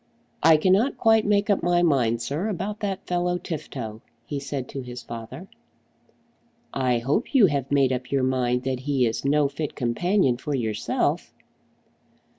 "I cannot quite make up my mind, sir, about that fellow Tifto," he said to his father. "I hope you have made up your mind that he is no fit companion for yourself."